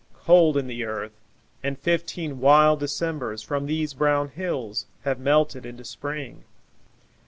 Cold in the earth, and fifteen wild Decembers From these brown hills have melted into Spring.